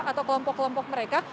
atau kelompok kelompok mereka